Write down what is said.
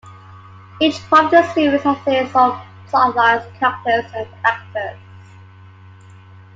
Each part of the series had its own plotlines, characters, and actors.